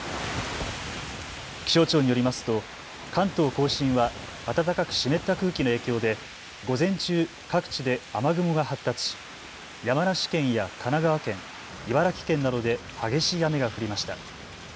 気象庁によりますと関東甲信は暖かく湿った空気の影響で午前中、各地で雨雲が発達し山梨県や神奈川県、茨城県などで激しい雨が降りました。